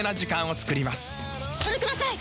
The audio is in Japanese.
それください！